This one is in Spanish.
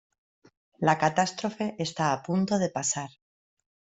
La catástrofe está a punto de pasar.